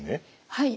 はい。